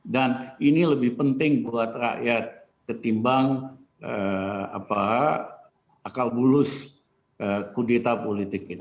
dan ini lebih penting buat rakyat ketimbang akal bulus kudeta politik ini